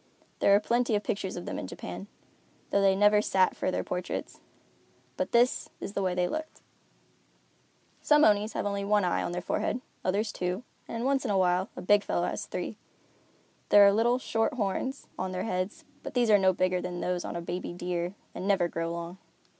There are plenty of pictures of them in Japan, though they never sat for their portraits, but this is the way they looked. Some Onis have only one eye in their forehead, others two, and, once in a while, a big fellow has three. There are little, short horns on their heads, but these are no bigger than those on a baby deer and never grow long.